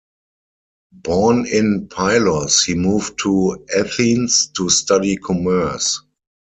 Born in Pylos, he moved to Athens to study commerce.